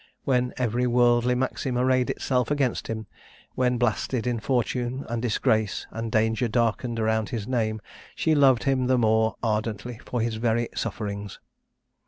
When every worldly maxim arrayed itself against him; when blasted in fortune, and disgrace and danger darkened around his name, she loved him the more ardently for his very sufferings.